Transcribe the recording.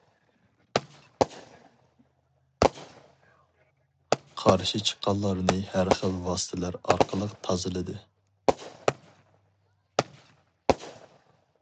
قارشى چىققانلارنى ھەر خىل ۋاسىتىلەر ئارقىلىق تازىلىدى.